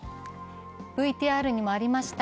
ＶＴＲにもありました